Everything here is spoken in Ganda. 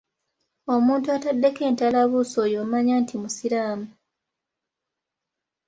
Omuntu ataddeko entalabuusi oyo omanya nti musiraamu.